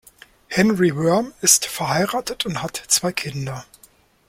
Henry Worm ist verheiratet und hat zwei Kinder.